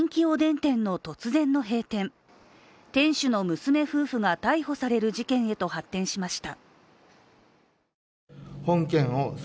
店主の娘夫婦が逮捕される事態へと発展しました。